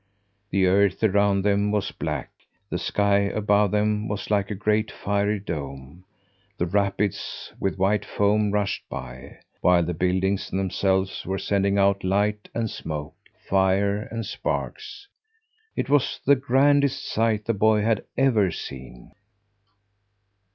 The earth around them was black; the sky above them was like a great fiery dome; the rapids, white with foam, rushed by; while the buildings themselves were sending out light and smoke, fire and sparks. It was the grandest sight the boy had ever seen!